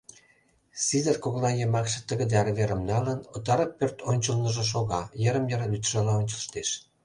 Сидыр, коҥла йымакше тыгыде арверым налын, отар пӧрт ончылныжо шога, йырым-йыр лӱдшыла ончыштеш.